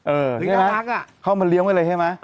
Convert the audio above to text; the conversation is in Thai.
เออเขาเอามันเลี้ยงไว้เลยใช่ไหม